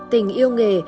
tình yêu nghề